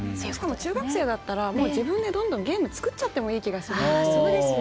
中学生だったら自分でどんどんゲーム作っちゃってもいいかもしれないですね。